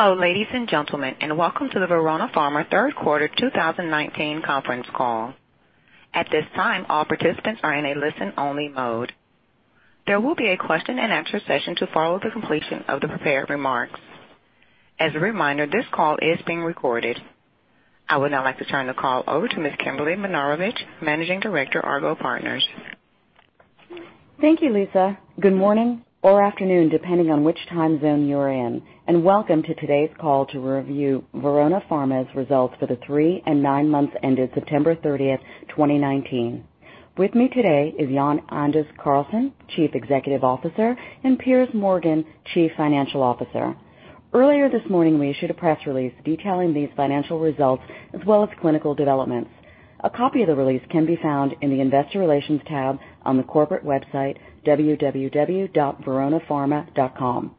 Hello, ladies and gentlemen, and welcome to the Verona Pharma third quarter 2019 conference call. At this time, all participants are in a listen-only mode. There will be a question and answer session to follow the completion of the prepared remarks. As a reminder, this call is being recorded. I would now like to turn the call over to Miss Kimberly Minarovich, Managing Director, Argot Partners. Thank you, Lisa. Good morning or afternoon, depending on which time zone you're in, and welcome to today's call to review Verona Pharma's results for the three and nine months ended September 30th, 2019. With me today is Jan-Anders Karlsson, Chief Executive Officer, and Piers Morgan, Chief Financial Officer. Earlier this morning, we issued a press release detailing these financial results as well as clinical developments. A copy of the release can be found in the investor relations tab on the corporate website, www.veronapharma.com.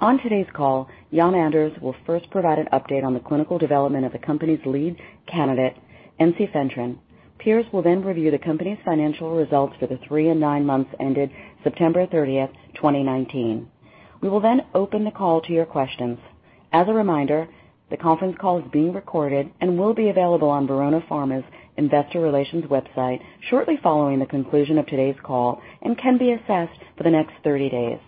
On today's call, Jan-Anders will first provide an update on the clinical development of the company's lead candidate, ensifentrine. Piers will then review the company's financial results for the three and nine months ended September 30th, 2019. We will then open the call to your questions. As a reminder, the conference call is being recorded and will be available on Verona Pharma's investor relations website shortly following the conclusion of today's call and can be accessed for the next 30 days.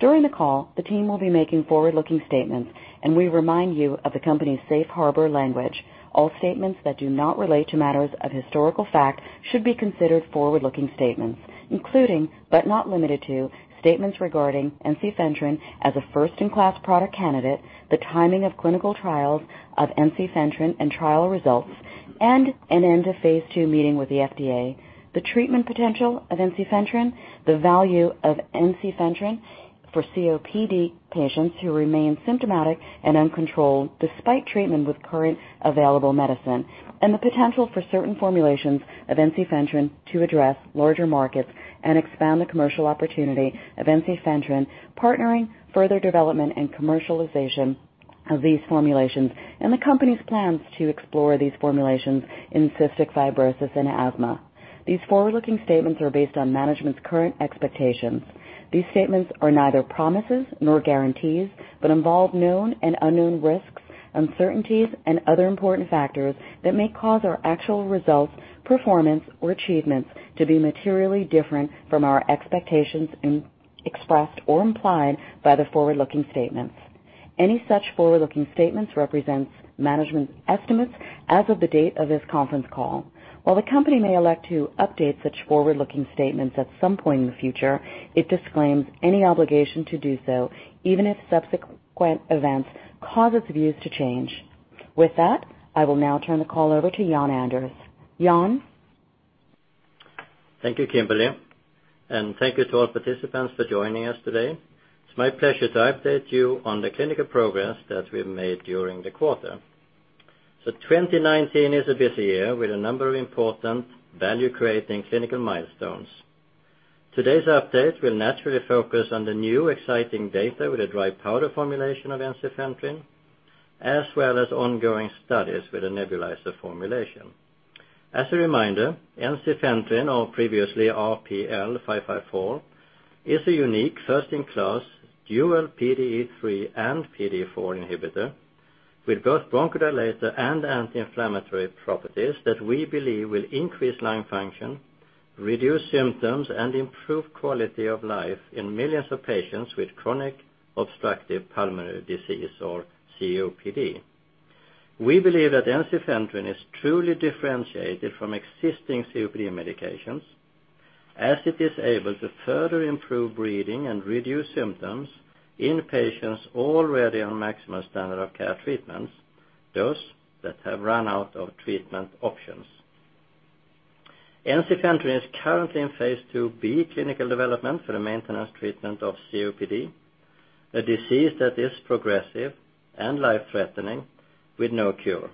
During the call, the team will be making forward-looking statements, and we remind you of the company's safe harbor language. All statements that do not relate to matters of historical fact should be considered forward-looking statements, including, but not limited to, statements regarding ensifentrine as a first-in-class product candidate, the timing of clinical trials of ensifentrine and trial results, and an end-of-phase II meeting with the FDA. The treatment potential of ensifentrine, the value of ensifentrine for COPD patients who remain symptomatic and uncontrolled despite treatment with current available medicine, and the potential for certain formulations of ensifentrine to address larger markets and expand the commercial opportunity of ensifentrine, partnering further development and commercialization of these formulations, and the company's plans to explore these formulations in cystic fibrosis and asthma. These forward-looking statements are based on management's current expectations. These statements are neither promises nor guarantees, but involve known and unknown risks, uncertainties, and other important factors that may cause our actual results, performance, or achievements to be materially different from our expectations expressed or implied by the forward-looking statements. Any such forward-looking statements represents management estimates as of the date of this conference call. While the company may elect to update such forward-looking statements at some point in the future, it disclaims any obligation to do so, even if subsequent events cause its views to change. With that, I will now turn the call over to Jan-Anders. Jan-Anders. Thank you, Kimberly, and thank you to all participants for joining us today. It's my pleasure to update you on the clinical progress that we've made during the quarter. 2019 is a busy year with a number of important value-creating clinical milestones. Today's update will naturally focus on the new exciting data with the dry powder formulation of ensifentrine, as well as ongoing studies with the nebulizer formulation. As a reminder, ensifentrine, or previously RPL554, is a unique first-in-class dual PDE3 and PDE4 inhibitor with both bronchodilator and anti-inflammatory properties that we believe will increase lung function, reduce symptoms, and improve quality of life in millions of patients with chronic obstructive pulmonary disease or COPD. We believe that ensifentrine is truly differentiated from existing COPD medications as it is able to further improve breathing and reduce symptoms in patients already on maximum standard of care treatments, those that have run out of treatment options. Ensifentrine is currently in phase IIB clinical development for the maintenance treatment of COPD, a disease that is progressive and life-threatening with no cure.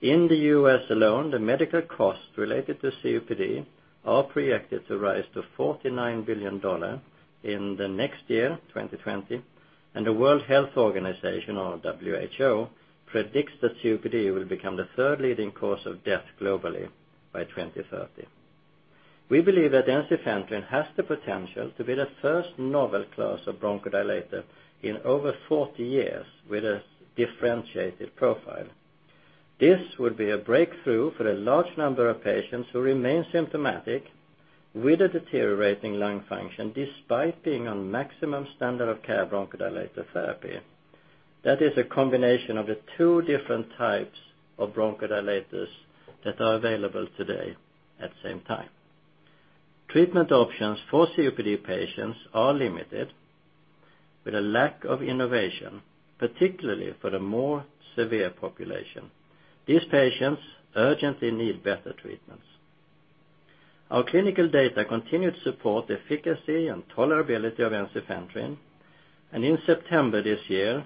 In the U.S. alone, the medical costs related to COPD are projected to rise to $49 billion in the next year, 2020. The World Health Organization, or WHO, predicts that COPD will become the third leading cause of death globally by 2030. We believe that ensifentrine has the potential to be the first novel class of bronchodilator in over 40 years with a differentiated profile. This would be a breakthrough for a large number of patients who remain symptomatic with a deteriorating lung function despite being on maximum standard of care bronchodilator therapy. That is a combination of the 2 different types of bronchodilators that are available today at the same time. Treatment options for COPD patients are limited with a lack of innovation, particularly for the more severe population. These patients urgently need better treatments. Our clinical data continued to support the efficacy and tolerability of ensifentrine, and in September this year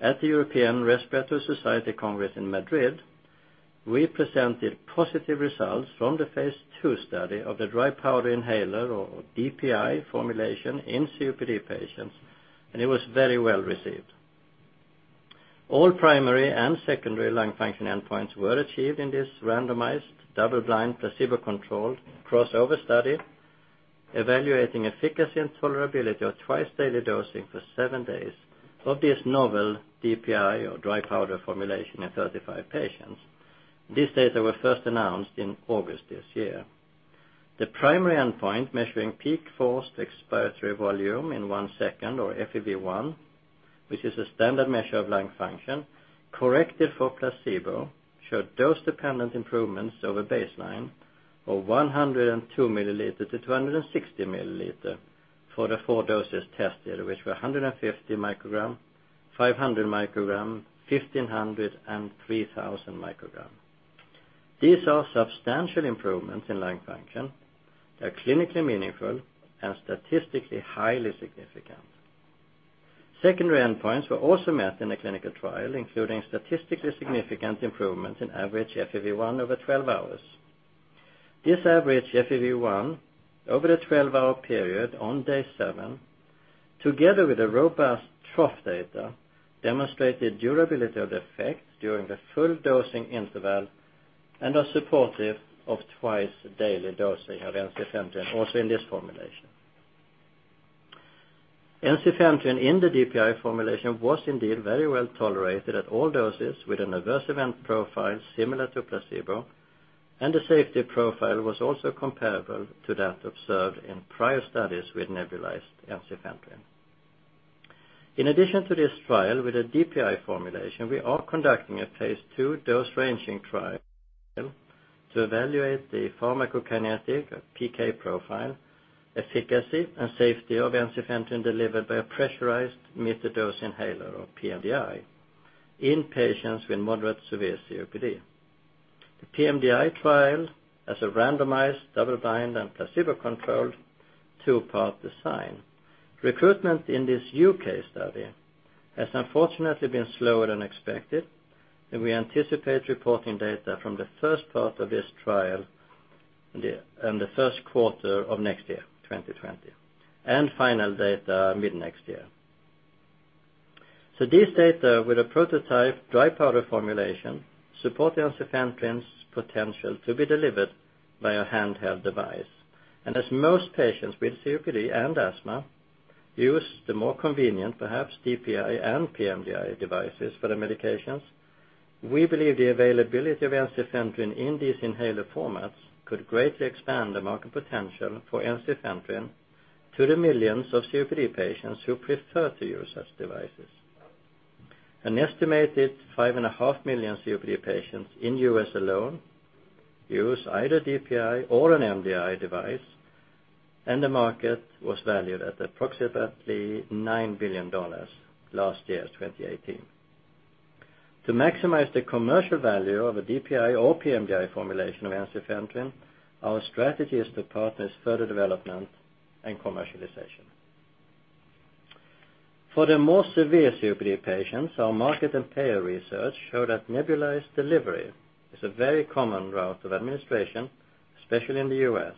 at the European Respiratory Society International Congress in Madrid, we presented positive results from the phase II study of the dry powder inhaler or DPI formulation in COPD patients, and it was very well received. All primary and secondary lung function endpoints were achieved in this randomized, double-blind, placebo-controlled crossover study evaluating efficacy and tolerability of twice-daily dosing for 7 days of this novel DPI or dry powder formulation in 35 patients. These data were first announced in August this year. The primary endpoint measuring peak forced expiratory volume in one second or FEV1, which is a standard measure of lung function, corrected for placebo, showed dose-dependent improvements over baseline of 102 milliliters to 260 milliliters for the four doses tested, which were 150 micrograms, 500 micrograms, 1,500 and 3,000 micrograms. These are substantial improvements in lung function. They are clinically meaningful and statistically highly significant. Secondary endpoints were also met in the clinical trial, including statistically significant improvements in average FEV1 over 12 hours. This average FEV1 over the 12-hour period on day seven, together with the robust trough data, demonstrated durability of the effect during the full dosing interval, and are supportive of twice the daily dosing of ensifentrine also in this formulation. Ensifentrine in the DPI formulation was indeed very well tolerated at all doses with an adverse event profile similar to placebo, and the safety profile was also comparable to that observed in prior studies with nebulized ensifentrine. In addition to this trial with a DPI formulation, we are conducting a phase II dose-ranging trial to evaluate the pharmacokinetic PK profile, efficacy, and safety of ensifentrine delivered by a pressurized metered dose inhaler or pMDI in patients with moderate severe COPD. The pMDI trial has a randomized, double-blind, and placebo-controlled two-part design. Recruitment in this new case study has unfortunately been slower than expected. We anticipate reporting data from the first part of this trial in the first quarter of next year, 2020. Final data mid-next year. This data with a prototype dry powder formulation support the ensifentrine's potential to be delivered by a handheld device. As most patients with COPD and asthma use the more convenient, perhaps DPI and pMDI devices for their medications. We believe the availability of ensifentrine in these inhaler formats could greatly expand the market potential for ensifentrine to the millions of COPD patients who prefer to use such devices. An estimated 5.5 million COPD patients in the U.S. alone use either DPI or an MDI device, and the market was valued at approximately $9 billion last year, 2018. To maximize the commercial value of a DPI or pMDI formulation of ensifentrine, our strategy is to partner its further development and commercialization. For the more severe COPD patients, our market and payer research show that nebulized delivery is a very common route of administration, especially in the U.S.,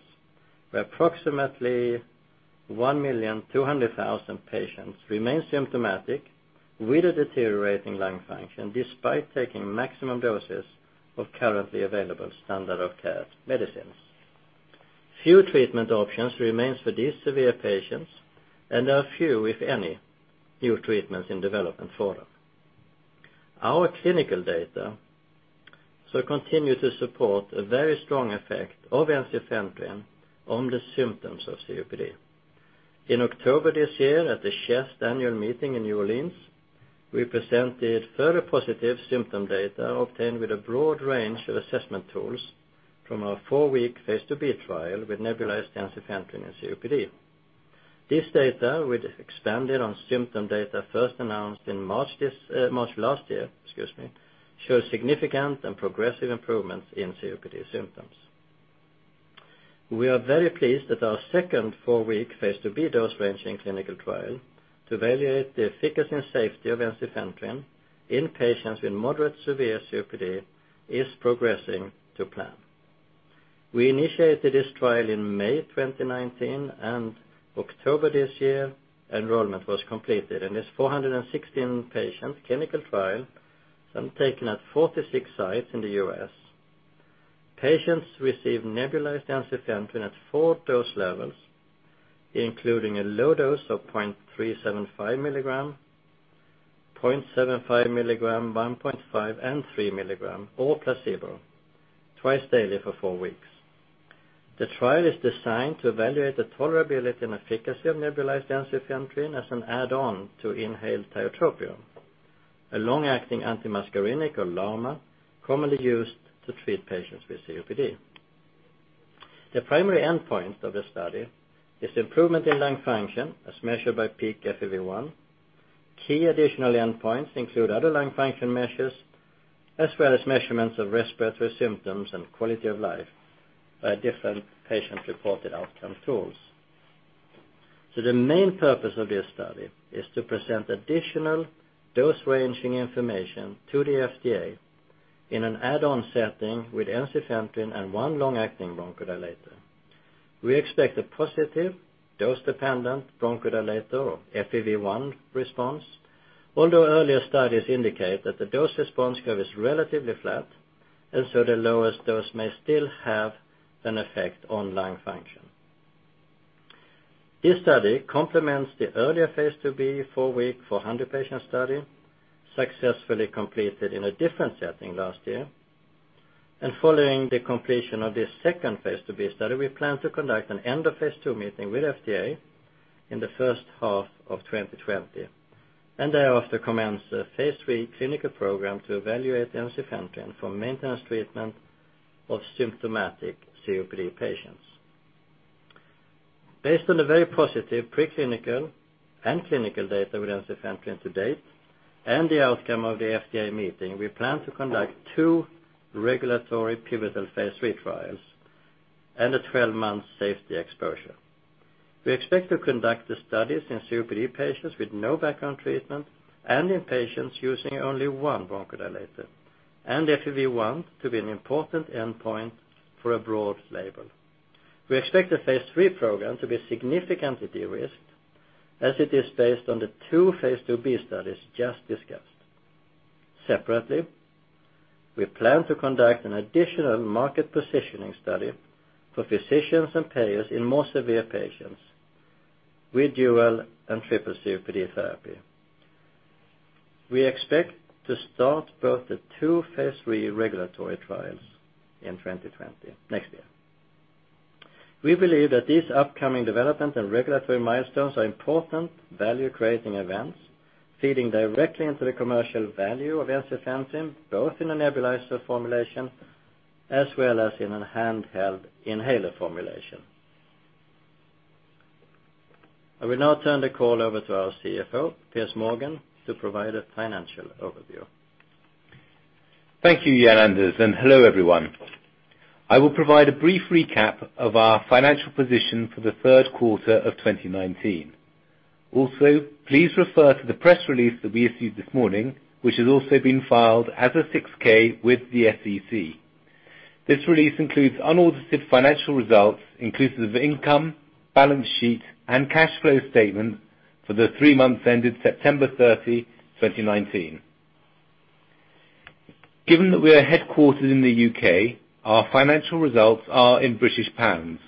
where approximately 1,200,000 patients remain symptomatic with a deteriorating lung function despite taking maximum doses of currently available standard of care medicines. Few treatment options remains for these severe patients, and there are few, if any, new treatments in development for them. Our clinical data continue to support a very strong effect of ensifentrine on the symptoms of COPD. In October this year at the CHEST annual meeting in New Orleans, we presented further positive symptom data obtained with a broad range of assessment tools from our four-week phase IIB trial with nebulized ensifentrine in COPD. This data, we've expanded on symptom data first announced in March last year, shows significant and progressive improvements in COPD symptoms. We are very pleased that our second four-week Phase IIB dose-ranging clinical trial to evaluate the efficacy and safety of ensifentrine in patients with moderate severe COPD is progressing to plan. We initiated this trial in May 2019, and October this year, enrollment was completed in this 416-patient clinical trial, taken at 46 sites in the U.S. Patients received nebulized ensifentrine at four dose levels, including a low dose of 0.375 milligram, 0.75 milligram, 1.5 and 3 milligram or placebo twice daily for four weeks. The trial is designed to evaluate the tolerability and efficacy of nebulized ensifentrine as an add-on to inhaled tiotropium, a long-acting antimuscarinic or LAMA, commonly used to treat patients with COPD. The primary endpoint of this study is improvement in lung function as measured by peak FEV1. Key additional endpoints include other lung function measures, as well as measurements of respiratory symptoms and quality of life by different patient-reported outcome tools. The main purpose of this study is to present additional dose-ranging information to the FDA in an add-on setting with ensifentrine and one long-acting bronchodilator. We expect a positive dose-dependent bronchodilator or FEV1 response. Although earlier studies indicate that the dose response curve is relatively flat, and so the lowest dose may still have an effect on lung function. This study complements the earlier phase IIb four-week 400-patient study successfully completed in a different setting last year. Following the completion of this second phase IIb study, we plan to conduct an end of phase II meeting with FDA in the first half of 2020. Thereafter commence a phase III clinical program to evaluate ensifentrine for maintenance treatment of symptomatic COPD patients. Based on the very positive preclinical and clinical data with ensifentrine to date and the outcome of the FDA meeting, we plan to conduct 2 regulatory pivotal phase III trials and a 12-month safety exposure. We expect to conduct the studies in COPD patients with no background treatment and in patients using only 1 bronchodilator. FEV1 to be an important endpoint for a broad label. We expect the phase III program to be significantly de-risked, as it is based on the 2 phase IIb studies just discussed. Separately, we plan to conduct an additional market positioning study for physicians and payers in more severe patients with dual and triple COPD therapy. We expect to start both the 2 phase III regulatory trials in 2020 next year. We believe that this upcoming development and regulatory milestones are important value-creating events, feeding directly into the commercial value of ensifentrine, both in a nebulizer formulation as well as in a handheld inhaler formulation. I will now turn the call over to our CFO, Piers Morgan, to provide a financial overview. Thank you, Jan-Anders, and hello, everyone. I will provide a brief recap of our financial position for the third quarter of 2019. Also, please refer to the press release that we issued this morning, which has also been filed as a 6-K with the SEC. This release includes unaudited financial results inclusive of income, balance sheet, and cash flow statement for the 3 months ended September 30, 2019. Given that we are headquartered in the U.K., our financial results are in GBP.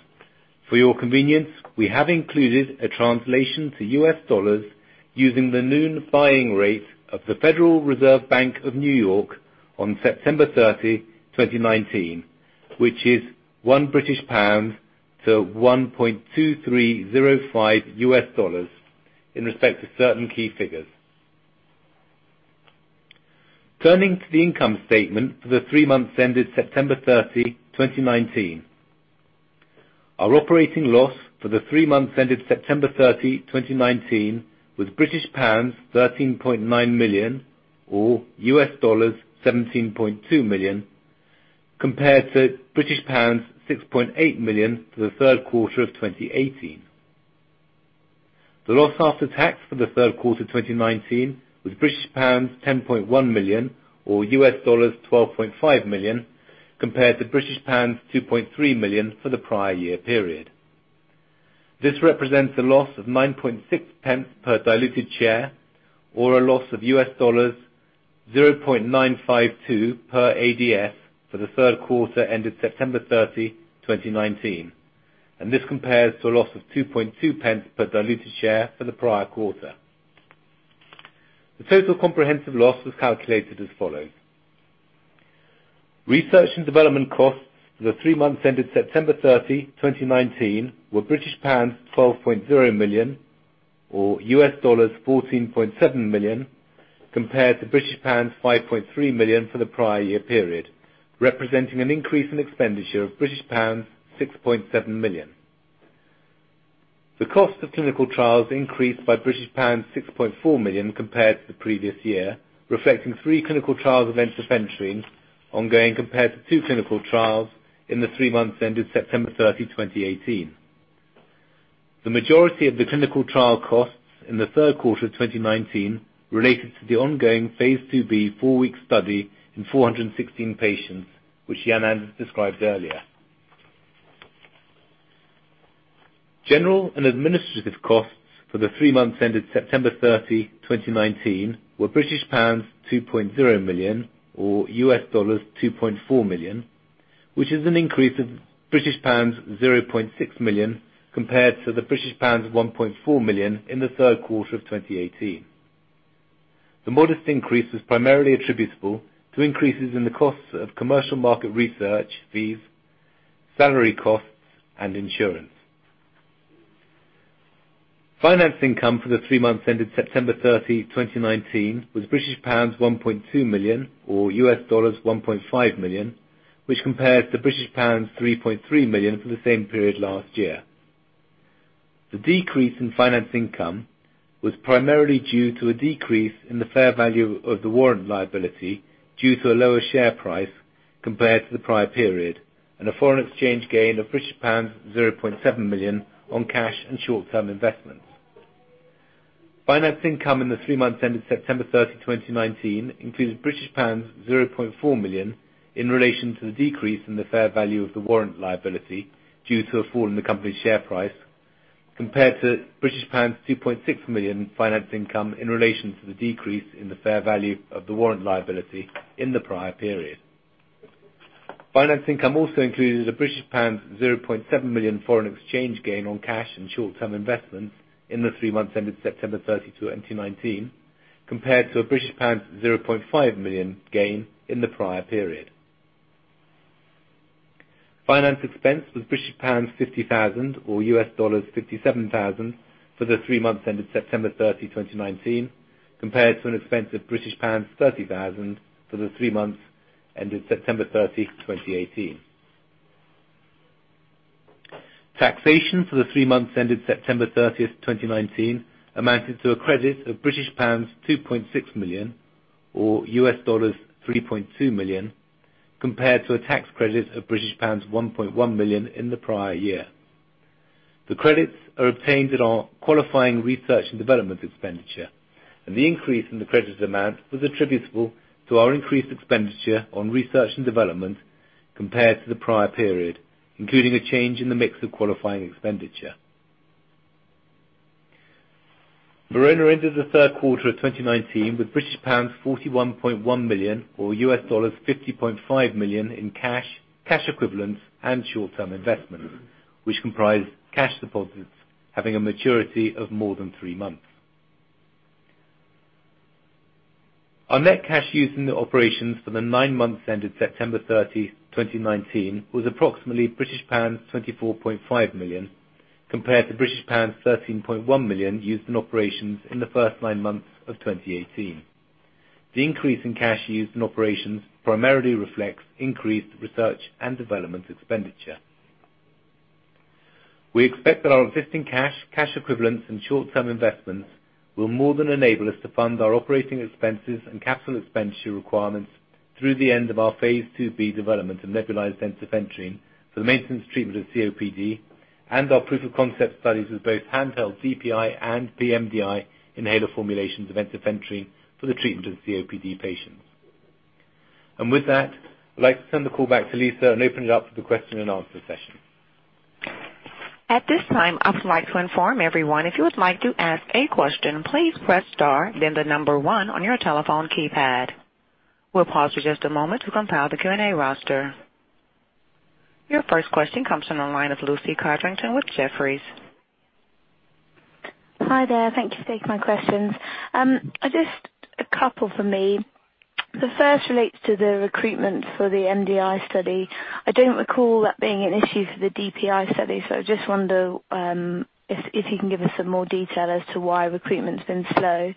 For your convenience, we have included a translation to USD using the noon buying rate of the Federal Reserve Bank of New York on September 30, 2019, which is 1 British pound to $1.2305 in respect to certain key figures. Turning to the income statement for the 3 months ended September 30, 2019. Our operating loss for the three months ended September thirtieth, 2019, was GBP 13.9 million or $17.2 million compared to British pounds 6.8 million for the third quarter of 2018. The loss after tax for the third quarter 2019 was British pounds 10.1 million or $12.5 million compared to British pounds 2.3 million for the prior year period. This represents a loss of 0.096 per diluted share or a loss of $0.952 per ADS for the third quarter ended September thirtieth, 2019. This compares to a loss of 0.022 per diluted share for the prior quarter. The total comprehensive loss was calculated as follows. Research and development costs for the three months ended September 30, 2019, were British pounds 12.0 million or $14.7 million compared to British pounds 5.3 million for the prior year period, representing an increase in expenditure of British pounds 6.7 million. The cost of clinical trials increased by British pounds 6.4 million compared to the previous year, reflecting three clinical trials of ensifentrine ongoing compared to two clinical trials in the three months ended September 30, 2018. The majority of the clinical trial costs in the third quarter 2019 related to the ongoing Phase IIB 4-week study in 416 patients, which Jan-Anders described earlier. General and administrative costs for the three months ended September 30th, 2019, were British pounds 2.0 million or $2.4 million, which is an increase of British pounds 0.6 million compared to the British pounds 1.4 million in the third quarter of 2018. The modest increase was primarily attributable to increases in the costs of commercial market research fees, salary costs, and insurance. Finance income for the three months ended September 30th, 2019, was British pounds 1.2 million or $1.5 million, which compares to British pounds 3.3 million for the same period last year. The decrease in finance income was primarily due to a decrease in the fair value of the warrant liability due to a lower share price compared to the prior period, and a foreign exchange gain of British pounds 0.7 million on cash and short-term investments. Finance income in the three months ended September thirtieth, 2019, includes British pounds 0.4 million in relation to the decrease in the fair value of the warrant liability due to a fall in the company's share price compared to 2.6 million finance income in relation to the decrease in the fair value of the warrant liability in the prior period. Finance income also included a 0.7 million British pound foreign exchange gain on cash and short-term investments in the three months ended September 30, 2019, compared to a 0.5 million gain in the prior period. Finance expense was British pounds 50,000, or $57,000 for the three months ended September 30, 2019, compared to an expense of British pounds 30,000 for the three months ended September 30, 2018. Taxation for the three months ended September 30, 2019, amounted to a credit of British pounds 2.6 million, or $3.2 million, compared to a tax credit of British pounds 1.1 million in the prior year. The credits are obtained in our qualifying research and development expenditure, and the increase in the credit amount was attributable to our increased expenditure on research and development compared to the prior period, including a change in the mix of qualifying expenditure. Verona ended the third quarter of 2019 with British pounds 41.1 million, or $50.5 million in cash equivalents, and short-term investments, which comprise cash deposits having a maturity of more than three months. Our net cash used in the operations for the nine months ended September 30, 2019, was approximately British pounds 24.5 million, compared to British pounds 13.1 million used in operations in the first nine months of 2018. The increase in cash used in operations primarily reflects increased research and development expenditure. We expect that our existing cash equivalents, and short-term investments will more than enable us to fund our operating expenses and capital expenditure requirements through the end of our phase IIB development of nebulized ensifentrine for the maintenance treatment of COPD and our proof of concept studies with both handheld DPI and pMDI inhaler formulations of ensifentrine for the treatment of COPD patients. With that, I'd like to turn the call back to Lisa and open it up for the question and answer session. At this time, I would like to inform everyone if you would like to ask a question, please press star then the number one on your telephone keypad. We'll pause for just a moment to compile the Q&A roster. Your first question comes from the line of Lucy Codrington with Jefferies. Hi there. Thank you for taking my questions. Just a couple from me. The first relates to the recruitment for the MDI study. I don't recall that being an issue for the DPI study, so I just wonder if you can give us some more detail as to why recruitment's been slow.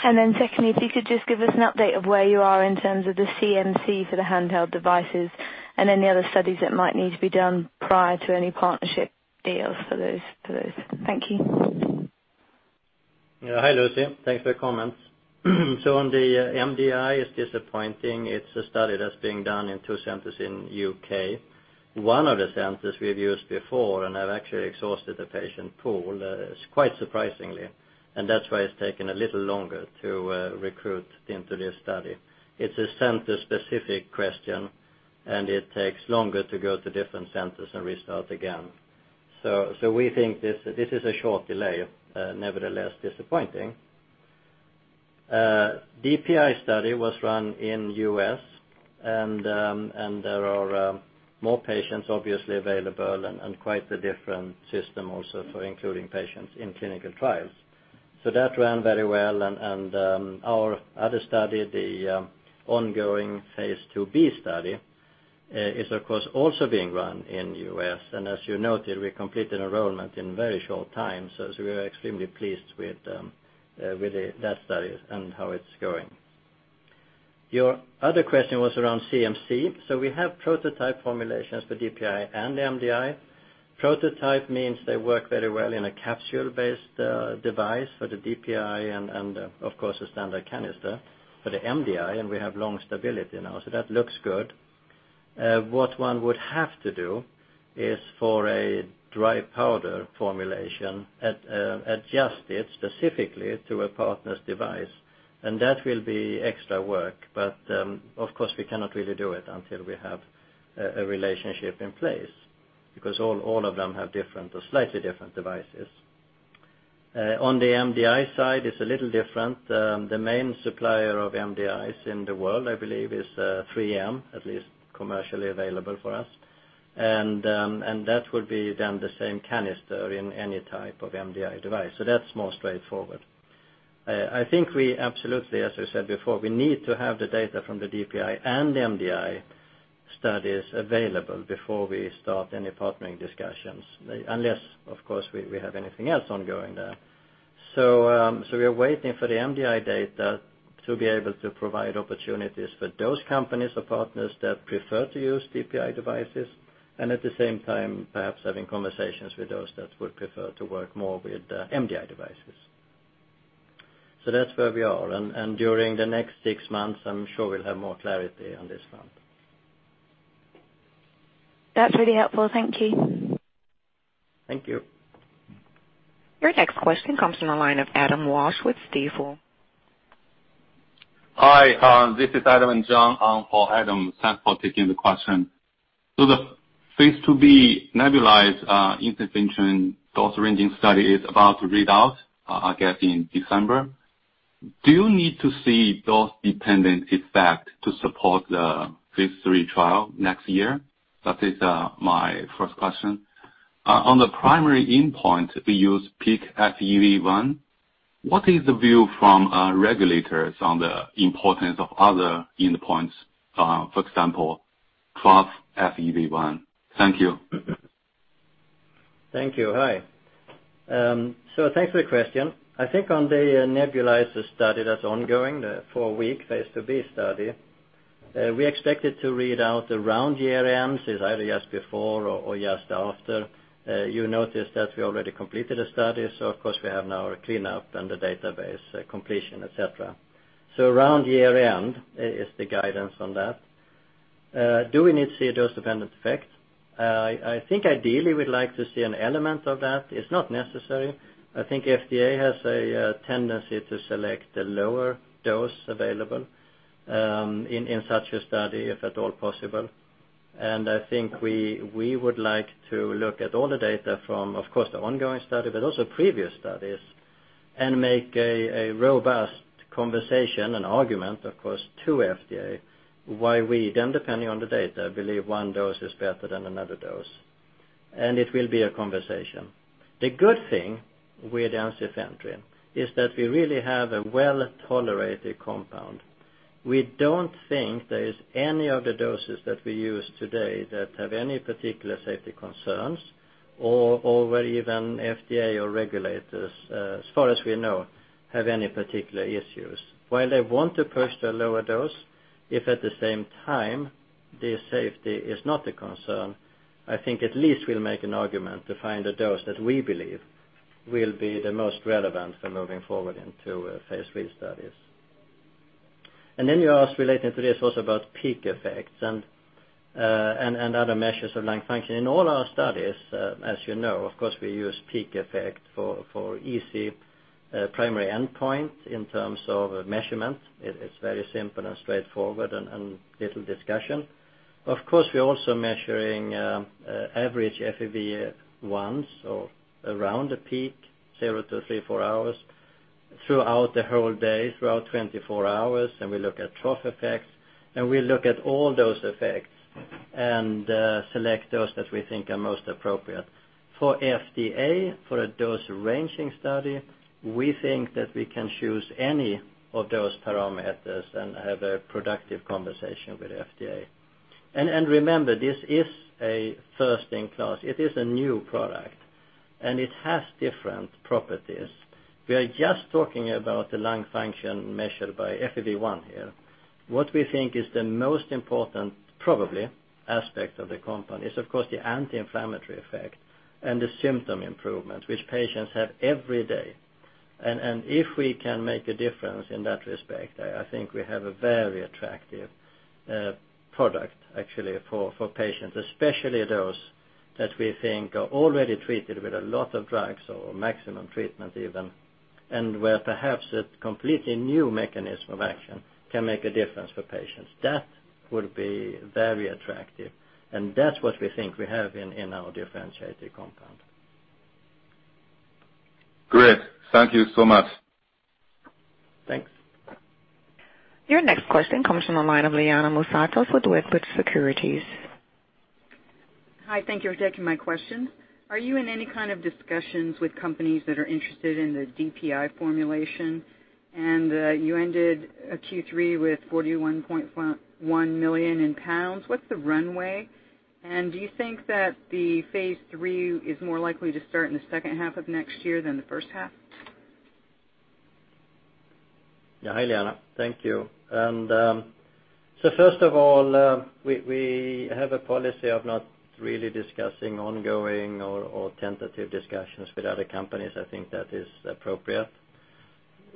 Secondly, if you could just give us an update of where you are in terms of the CMC for the handheld devices and any other studies that might need to be done prior to any partnership deals for those. Thank you. Hi, Lucy. Thanks for the comments. On the MDI, it's disappointing. It's a study that's being done in two centers in U.K. One of the centers we've used before and have actually exhausted the patient pool, quite surprisingly. That's why it's taken a little longer to recruit into this study. It's a center-specific question, and it takes longer to go to different centers and restart again. We think this is a short delay, nevertheless disappointing. DPI study was run in U.S., and there are more patients obviously available and quite a different system also for including patients in clinical trials. That ran very well and our other study, the ongoing phase IIB study, is of course, also being run in U.S., and as you noted, we completed enrollment in very short time. We are extremely pleased with that study and how it's going. Your other question was around CMC. We have prototype formulations for DPI and the MDI. Prototype means they work very well in a capsule-based device for the DPI and of course a standard canister for the MDI, and we have long stability now. That looks good. What one would have to do is for a dry powder formulation, adjust it specifically to a partner's device, and that will be extra work. Of course, we cannot really do it until we have a relationship in place because all of them have different or slightly different devices. On the MDI side, it's a little different. The main supplier of MDIs in the world, I believe is 3M, at least commercially available for us. That would be then the same canister in any type of MDI device. That's more straightforward. I think we absolutely, as I said before, we need to have the data from the DPI and the MDI studies available before we start any partnering discussions, unless of course, we have anything else ongoing there. We are waiting for the MDI data to be able to provide opportunities for those companies or partners that prefer to use DPI devices, and at the same time, perhaps having conversations with those that would prefer to work more with MDI devices. That's where we are, and during the next six months, I'm sure we'll have more clarity on this front. That's really helpful. Thank you. Thank you. Your next question comes from the line of Adam Walsh with Stifel. Hi, this is Adam and John. For Adam, thanks for taking the question. The phase IIb nebulized intervention dose ranging study is about to read out, I guess, in December. Do you need to see dose-dependent effect to support the phase III trial next year? That is my first question. On the primary endpoint, we use peak FEV1. What is the view from regulators on the importance of other endpoints, for example, trough FEV1? Thank you. Thank you. Hi. Thanks for the question. I think on the nebulizer study that's ongoing, the four-week Phase IIB study, we expect it to read out around year-end. It's either just before or just after. You notice that we already completed a study, so of course, we have now a cleanup and the database completion, et cetera. Around year-end is the guidance on that. Do we need to see a dose-dependent effect? I think ideally, we'd like to see an element of that. It's not necessary. I think FDA has a tendency to select the lower dose available in such a study, if at all possible. I think we would like to look at all the data from, of course, the ongoing study, but also previous studies, and make a robust conversation and argument, of course, to FDA, why we, then depending on the data, believe one dose is better than another dose. It will be a conversation. The good thing with ensifentrine is that we really have a well-tolerated compound. We don't think there is any of the doses that we use today that have any particular safety concerns or where even FDA or regulators, as far as we know, have any particular issues. While they want to push the lower dose, if at the same time, the safety is not a concern, I think at least we'll make an argument to find a dose that we believe will be the most relevant for moving forward into phase III studies. You asked relating to this also about peak effects and other measures of lung function. In all our studies, as you know, of course, we use peak effect for easy primary endpoint in terms of measurement. It's very simple and straightforward and little discussion. Of course, we're also measuring average FEV1s, so around the peak, zero to three, four hours, throughout the whole day, throughout 24 hours, and we look at trough effects. We look at all those effects and select those that we think are most appropriate. For FDA, for a dose ranging study, we think that we can choose any of those parameters and have a productive conversation with FDA. Remember, this is a first in class. It is a new product, and it has different properties. We are just talking about the lung function measured by FEV1 here. What we think is the most important, probably, aspect of the company is, of course, the anti-inflammatory effect and the symptom improvement, which patients have every day. If we can make a difference in that respect, I think we have a very attractive product, actually, for patients, especially those that we think are already treated with a lot of drugs or maximum treatment even, and where perhaps a completely new mechanism of action can make a difference for patients. That would be very attractive, and that's what we think we have in our differentiated compound. Great. Thank you so much. Thanks. Your next question comes from the line of Liana Moussatos with Wedbush Securities. Hi, thank you for taking my question. Are you in any kind of discussions with companies that are interested in the DPI formulation? You ended Q3 with 41.1 million pounds. What's the runway? Do you think that the phase III is more likely to start in the second half of next year than the first half? Hi, Liana. Thank you. First of all, we have a policy of not really discussing ongoing or tentative discussions with other companies. I think that is appropriate.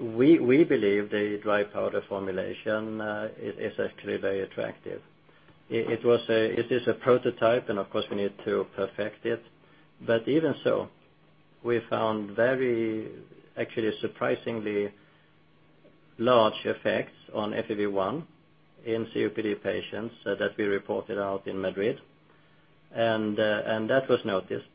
We believe the dry powder formulation is actually very attractive. It is a prototype. Of course, we need to perfect it. Even so, we found very, actually surprisingly large effects on FEV1 in COPD patients that we reported out in Madrid, and that was noticed.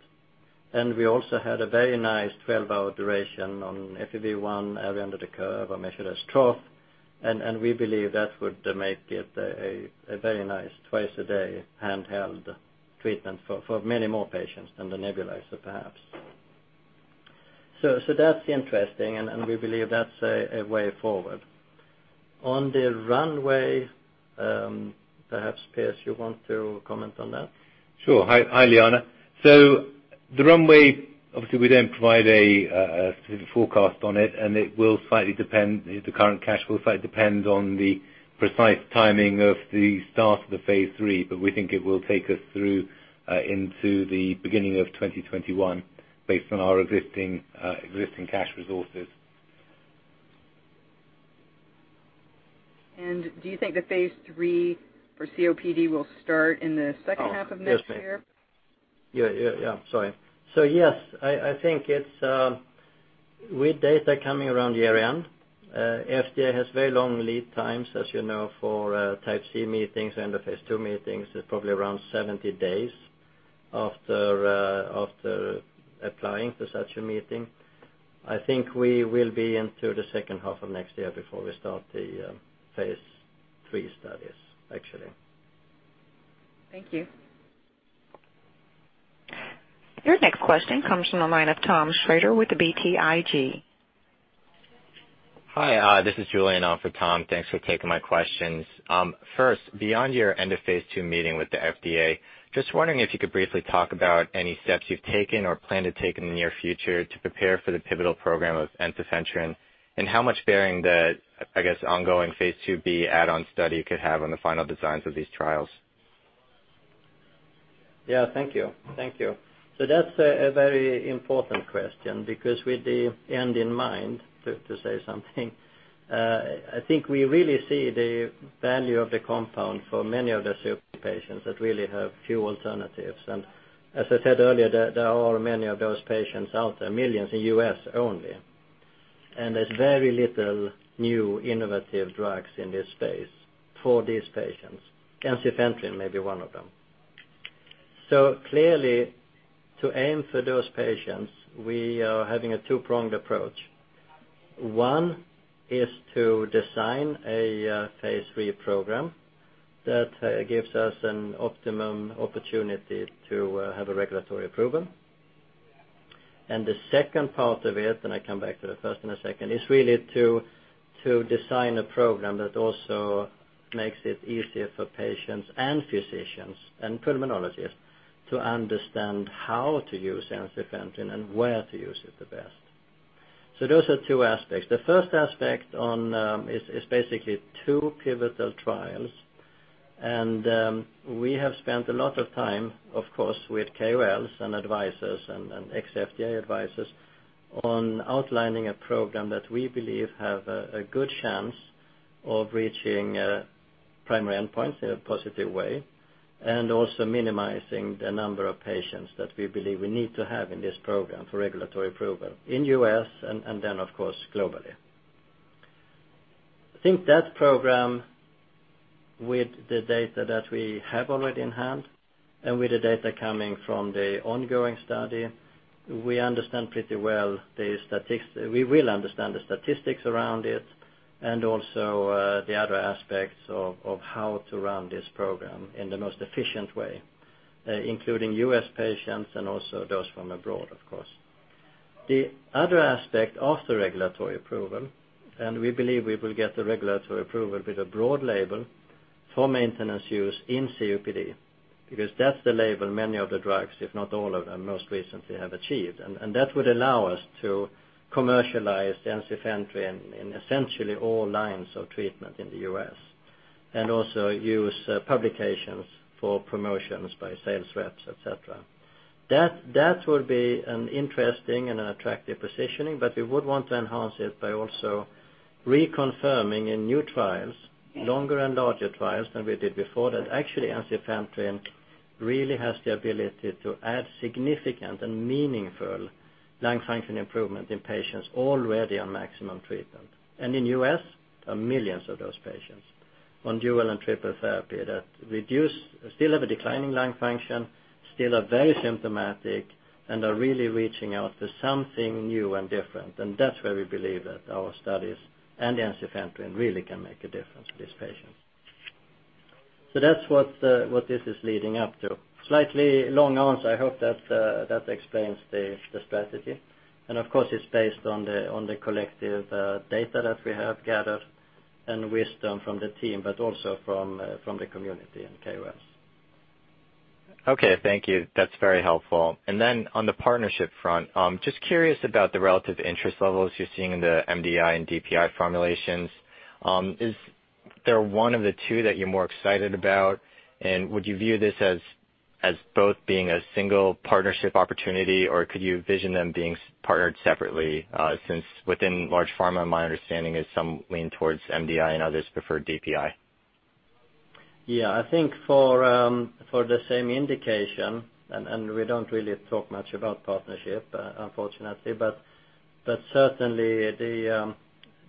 We also had a very nice 12-hour duration on FEV1 area under the curve are measured as trough. We believe that would make it a very nice twice-a-day handheld treatment for many more patients than the nebulizer, perhaps. That's interesting. We believe that's a way forward. On the runway, perhaps, Piers, you want to comment on that? Sure. Hi, Liana. The runway, obviously, we don't provide a specific forecast on it, and the current cash flow slightly depends on the precise timing of the start of the phase III, but we think it will take us through into the beginning of 2021 based on our existing cash resources. Do you think the phase III for COPD will start in the second half of next year? Yeah. Sorry. Yes, I think with data coming around year-end, FDA has very long lead times, as you know, for Type C meetings and the phase II meetings. It's probably around 70 days after applying for such a meeting. I think we will be into the second half of next year before we start the phase III studies, actually. Thank you. Your next question comes from the line of Tom Shrader with the BTIG. Hi, this is Julian on for Tom. Thanks for taking my questions. First, beyond your end of phase II meeting with the FDA, just wondering if you could briefly talk about any steps you've taken or plan to take in the near future to prepare for the pivotal program of ensifentrine, and how much bearing the, I guess, ongoing phase IIb add-on study could have on the final designs of these trials. Yeah. Thank you. That's a very important question because with the end in mind, to say something, I think we really see the value of the compound for many of the COPD patients that really have few alternatives. As I said earlier, there are many of those patients out there, millions in U.S. only. There's very little new innovative drugs in this space for these patients. Ensifentrine may be one of them. Clearly, to aim for those patients, we are having a two-pronged approach. One is to design a phase III program that gives us an optimum opportunity to have a regulatory approval. The second part of it, and I come back to the first in a second, is really to design a program that also makes it easier for patients and physicians and pulmonologists to understand how to use ensifentrine and where to use it the best. Those are two aspects. The first aspect is basically two pivotal trials. We have spent a lot of time, of course, with KOLs and advisors and ex-FDA advisors on outlining a program that we believe have a good chance of reaching primary endpoints in a positive way, and also minimizing the number of patients that we believe we need to have in this program for regulatory approval in U.S. and then, of course, globally. I think that program, with the data that we have already in hand and with the data coming from the ongoing study, we will understand the statistics around it and also the other aspects of how to run this program in the most efficient way, including U.S. patients and also those from abroad, of course. We believe we will get the regulatory approval with a broad label for maintenance use in COPD because that's the label many of the drugs, if not all of them, most recently have achieved. That would allow us to commercialize ensifentrine in essentially all lines of treatment in the U.S., and also use publications for promotions by sales reps, et cetera. That would be an interesting and attractive positioning. We would want to enhance it by also reconfirming in new trials, longer and larger trials than we did before, that actually ensifentrine really has the ability to add significant and meaningful lung function improvement in patients already on maximum treatment. In the U.S., are millions of those patients on dual and triple therapy that still have a declining lung function, still are very symptomatic, and are really reaching out to something new and different. That's where we believe that our studies and the ensifentrine really can make a difference to these patients. That's what this is leading up to. Slightly long answer. I hope that explains the strategy. Of course, it's based on the collective data that we have gathered and wisdom from the team, also from the community and KOLs. Okay. Thank you. That's very helpful. On the partnership front, just curious about the relative interest levels you're seeing in the MDI and DPI formulations. Is there one of the two that you're more excited about? Would you view this as both being a single partnership opportunity, or could you vision them being partnered separately? Since within large pharma, my understanding is some lean towards MDI and others prefer DPI. Yeah. I think for the same indication, and we don't really talk much about partnership, unfortunately, but certainly,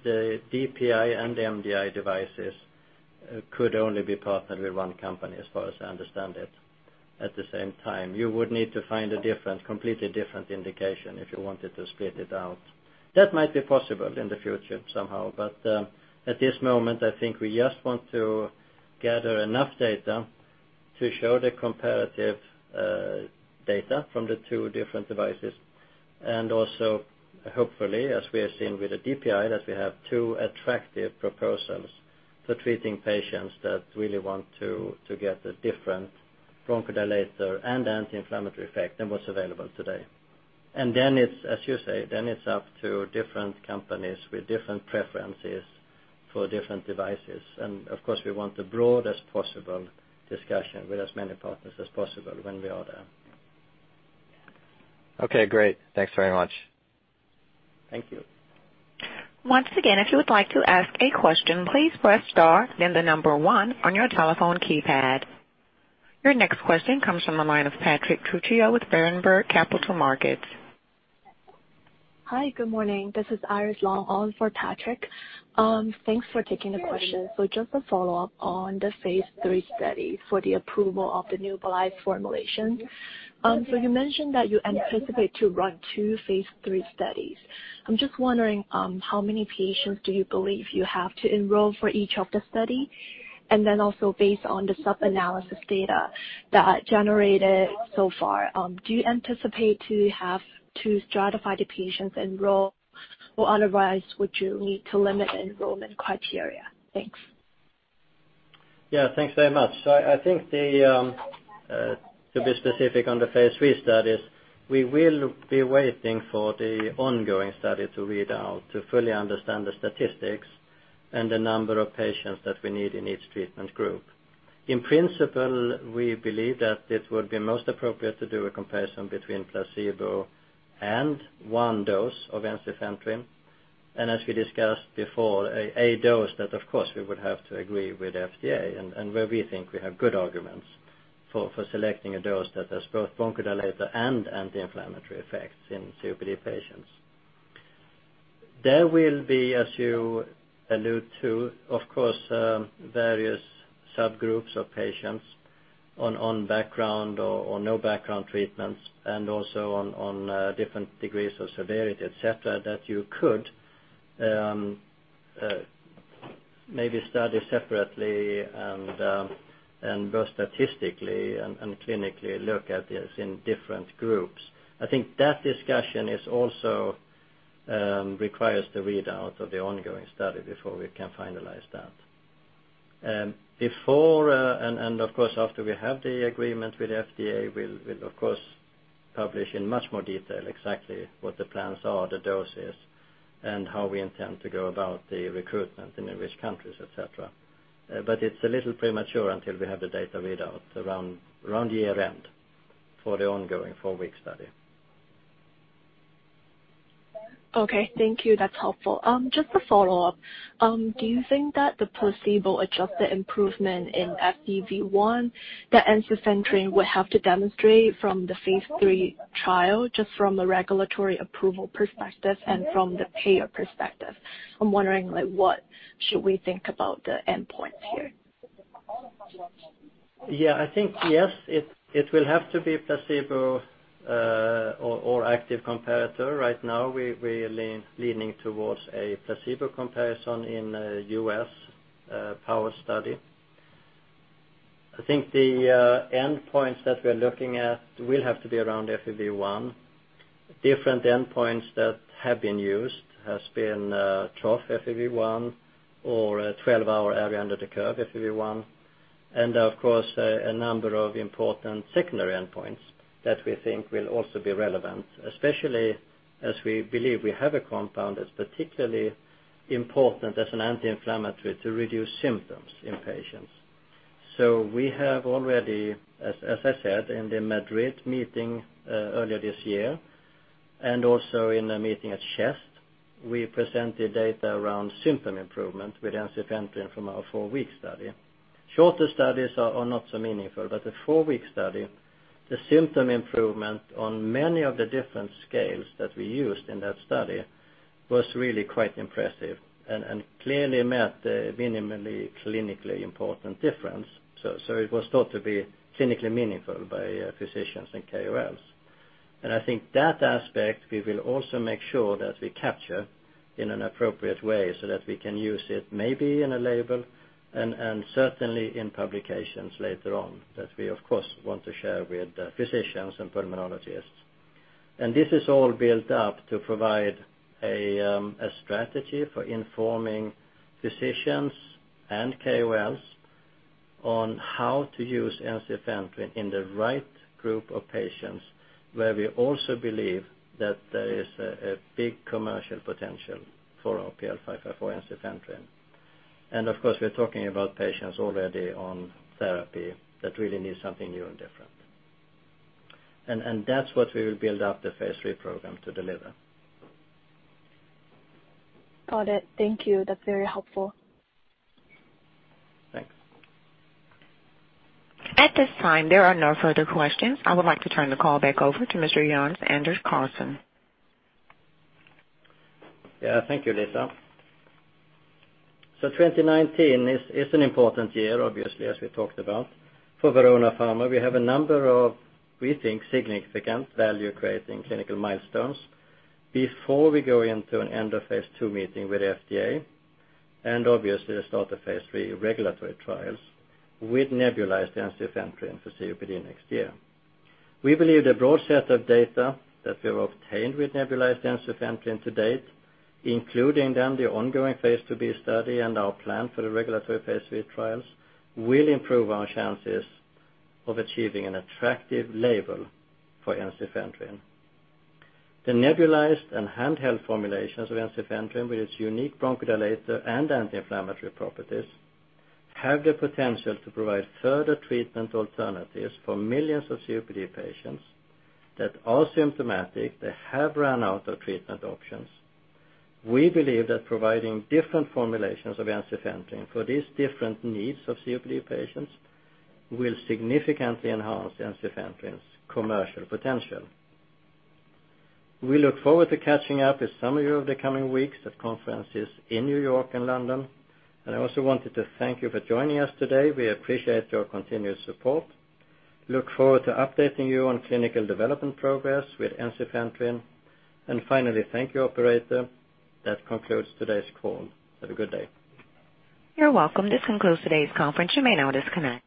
the DPI and the MDI devices could only be partnered with one company as far as I understand it. At the same time, you would need to find a completely different indication if you wanted to split it out. That might be possible in the future somehow. At this moment, I think we just want to gather enough data to show the comparative data from the two different devices, and also hopefully, as we have seen with the DPI, that we have two attractive proposals for treating patients that really want to get a different bronchodilator and anti-inflammatory effect than what's available today. As you say, it's up to different companies with different preferences for different devices. Of course, we want the broadest possible discussion with as many partners as possible when we are there. Okay, great. Thanks very much. Thank you. Once again, if you would like to ask a question, please press star then the number one on your telephone keypad. Your next question comes from the line of Patrick Trucchio with Berenberg Capital Markets. Hi, good morning. This is Iris Long on for Patrick. Thanks for taking the question. Just a follow-up on the phase III study for the approval of the new nebulized formulation. You mentioned that you anticipate to run two phase III studies. I'm just wondering, how many patients do you believe you have to enroll for each of the study? Also based on the sub-analysis data that generated so far, do you anticipate to have to stratify the patients enroll, or otherwise would you need to limit enrollment criteria? Thanks. Yeah, thanks very much. I think to be specific on the phase III studies, we will be waiting for the ongoing study to read out to fully understand the statistics and the number of patients that we need in each treatment group. In principle, we believe that it would be most appropriate to do a comparison between placebo and one dose of ensifentrine. As we discussed before, a dose that, of course, we would have to agree with FDA and where we think we have good arguments for selecting a dose that has both bronchodilator and anti-inflammatory effects in COPD patients. There will be, as you allude to, of course, various subgroups of patients on background or no background treatments and also on different degrees of severity, et cetera, that you could maybe study separately and both statistically and clinically look at this in different groups. I think that discussion also requires the readout of the ongoing study before we can finalize that. Before and, of course, after we have the agreement with FDA, we'll of course publish in much more detail exactly what the plans are, the doses, and how we intend to go about the recruitment and in which countries, et cetera. It's a little premature until we have the data readout around year-end for the ongoing four-week study. Okay. Thank you. That's helpful. Just a follow-up. Do you think that the placebo-adjusted improvement in FEV1 that ensifentrine would have to demonstrate from the phase III trial, just from a regulatory approval perspective and from the payer perspective? I'm wondering what should we think about the endpoint here? Yeah, I think yes, it will have to be placebo or active comparator. Right now, we are leaning towards a placebo comparison in a U.S. power study. I think the endpoints that we're looking at will have to be around FEV1. Different endpoints that have been used has been trough FEV1 or a 12-hour area under the curve FEV1. Of course, a number of important secondary endpoints that we think will also be relevant, especially as we believe we have a compound that's particularly important as an anti-inflammatory to reduce symptoms in patients. We have already, as I said, in the Madrid meeting earlier this year and also in a meeting at CHEST, we presented data around symptom improvement with ensifentrine from our four-week study. Shorter studies are not so meaningful, but the four-week study, the symptom improvement on many of the different scales that we used in that study was really quite impressive and clearly met the minimally clinically important difference. It was thought to be clinically meaningful by physicians and KOLs. I think that aspect we will also make sure that we capture in an appropriate way so that we can use it maybe in a label and certainly in publications later on that we of course want to share with physicians and pulmonologists. This is all built up to provide a strategy for informing physicians and KOLs on how to use ensifentrine in the right group of patients, where we also believe that there is a big commercial potential for our RPL554 ensifentrine. Of course, we're talking about patients already on therapy that really need something new and different. That's what we will build up the phase III program to deliver. Got it. Thank you. That's very helpful. Thanks. At this time, there are no further questions. I would like to turn the call back over to Mr. Jan-Anders Karlsson. Thank you, Lisa. 2019 is an important year, obviously, as we talked about, for Verona Pharma. We have a number of, we think, significant value-creating clinical milestones before we go into an end of phase II meeting with the FDA, and obviously the start of phase III regulatory trials with nebulized ensifentrine for COPD next year. We believe the broad set of data that we have obtained with nebulized ensifentrine to date, including then the ongoing phase IIB study and our plan for the regulatory phase III trials, will improve our chances of achieving an attractive label for ensifentrine. The nebulized and handheld formulations of ensifentrine, with its unique bronchodilator and anti-inflammatory properties, have the potential to provide further treatment alternatives for millions of COPD patients that are symptomatic, they have run out of treatment options. We believe that providing different formulations of ensifentrine for these different needs of COPD patients will significantly enhance ensifentrine's commercial potential. We look forward to catching up with some of you over the coming weeks at conferences in New York and London. I also wanted to thank you for joining us today. We appreciate your continued support. Look forward to updating you on clinical development progress with ensifentrine. Finally, thank you, operator. That concludes today's call. Have a good day. You're welcome. This concludes today's conference. You may now disconnect.